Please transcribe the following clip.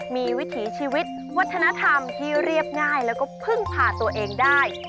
มีวิถีชีวิตวัฒนธรรมที่เรียบง่ายแล้วก็พึ่งพาตัวเองได้